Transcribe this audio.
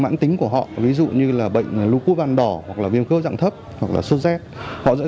mãn tính của họ ví dụ như là bệnh lũ cu văn đỏ hoặc là viêm khứa dạng thấp hoặc là sốt z họ sẽ